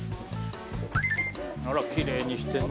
あらきれいにしてるね。